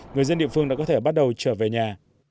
người dân địa phương đã có thể bắt đầu trở về nhà